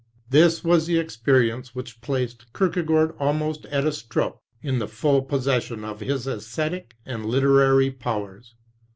This was the experience which placed Kierkegaard almost at a stroke in the full possession of his esthetic and literary powers.